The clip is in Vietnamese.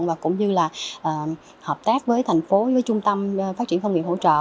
và cũng như là hợp tác với thành phố với trung tâm phát triển phong nghiệp hỗ trợ